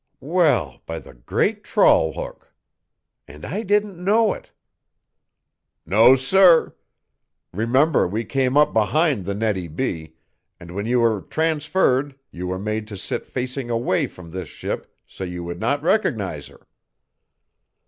"Well, by the great trawl hook! And I didn't know it!" "No, sir. Remember we came up behind the Nettie B., and when you were transferred you were made to sit facing away from this ship so you would not recognize her."